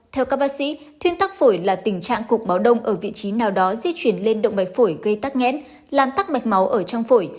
theo các bác sĩ thuyên tắc phổi là tình trạng cục máu đông ở vị trí nào đó di chuyển lên động mạch phổi gây tắc nghẽn làm tắc mạch máu ở trong phổi